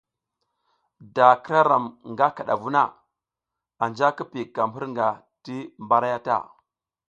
Da k ira ram nga kidavu na, anja ki piykam hirnga ti mbaray ta.